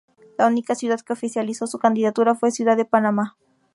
La única ciudad que oficializó su candidatura fue Ciudad de Panamá.